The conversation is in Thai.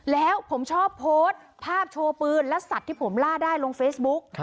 แล้วผมชอบโพสต์ภาพโชว์ปืนและสัตว์ที่ผมล่าได้ลงเฟซบุ๊ก